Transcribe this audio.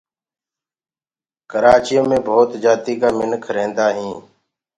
ڪرآچيو مي ڀوت جآتيٚ ڪآ منک ريهدآ هينٚ